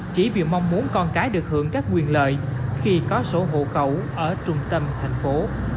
chỉ vì mong muốn con cái được hưởng các quyền lợi khi có sổ hộ khẩu ở trung tâm thành phố